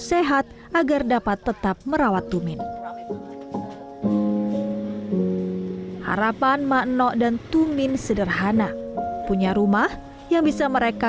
sehat agar dapat tetap merawat tumin harapan makno dan tumin sederhana punya rumah yang bisa mereka